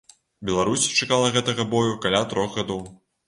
Беларусь чакала гэтага бою каля трох гадоў.